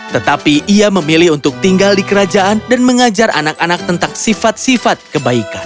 tetapi ia memilih untuk tinggal di kerajaan dan mengajar anak anak tentang sifat sifat kebaikan